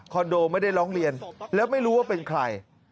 โดไม่ได้ร้องเรียนแล้วไม่รู้ว่าเป็นใคร